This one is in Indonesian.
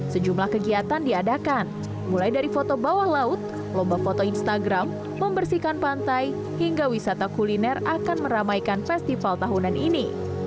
sejumlah kegiatan diadakan mulai dari foto bawah laut lomba foto instagram membersihkan pantai hingga wisata kuliner akan meramaikan festival tahunan ini